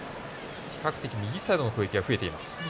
比較的、右サイドの攻撃が増えています。